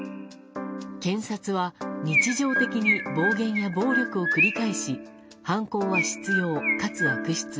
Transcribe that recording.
検察は、日常的に暴言や暴力を繰り返し犯行は執拗かつ悪質。